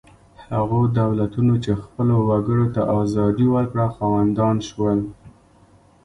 هغو دولتونو چې خپلو وګړو ته ازادي ورکړه خاوندان شول.